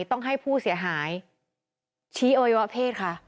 ต้องให้ผู้เสียหายชี้อวัยวะเพศค่ะ